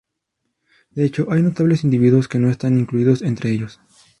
De hecho hay notables individuos que no están incluidos entre ellos.